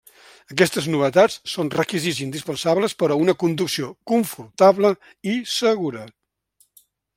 Aquestes novetats són requisits indispensables per a una conducció confortable i segura.